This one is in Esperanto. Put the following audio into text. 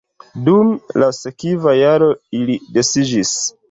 Dum la sekva jaro ili disiĝis.